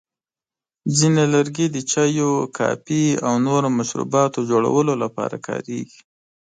ځینې لرګي د چایو، کافي، او نورو مشروباتو جوړولو لپاره کارېږي.